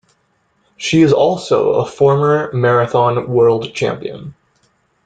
She is also a former marathon world champion.